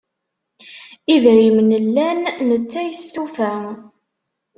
Idrimen llan netta yestufa.